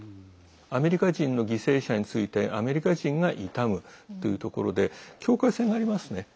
アメリカ人の犠牲者についてアメリカ人が悼むというところで境界線がありますね。